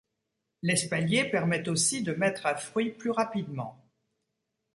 L'espalier permet aussi de mettre à fruit plus rapidement.